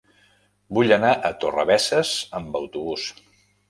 Vull anar a Torrebesses amb autobús.